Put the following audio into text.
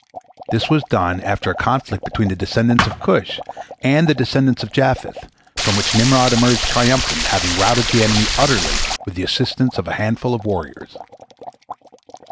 This was done after a conflict between the descendants of Cush and the descendants of Japheth, from which Nimrod emerged triumphant, having routed the enemy utterly with the assistance of a handful of warriors.